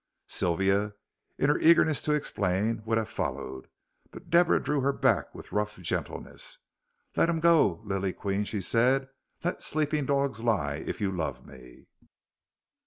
Sylvia, in her eagerness to explain, would have followed, but Deborah drew her back with rough gentleness. "Let him go, lily queen," she said; "let sleeping dogs lie if you love me."